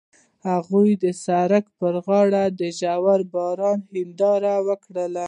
هغوی د سړک پر غاړه د ژور باران ننداره وکړه.